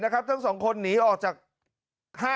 กะลาวบอกว่าก่อนเกิดเหตุ